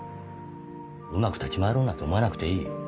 うまく立ち回ろうなんて思わなくていい。